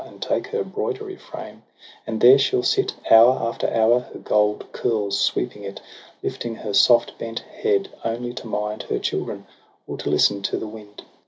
And take her broidery frame, and there she'll sit Hour after hour, her gold curls sweeping it ; Lifdng her soft bent head only to mind Her children, or to listen to the wind.